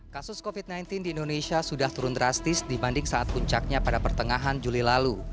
kasus covid sembilan belas di indonesia sudah turun drastis dibanding saat puncaknya pada pertengahan juli lalu